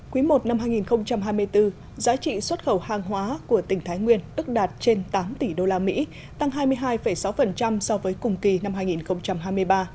quý i năm hai nghìn hai mươi bốn giá trị xuất khẩu hàng hóa của tỉnh thái nguyên ước đạt trên tám tỷ usd tăng hai mươi hai sáu so với cùng kỳ năm hai nghìn hai mươi ba